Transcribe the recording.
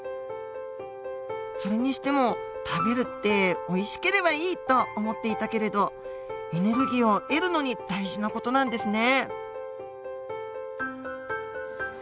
それにしても「食べる」っておいしければいいと思っていたけれどエネルギーを得るのに大事な事なんですね。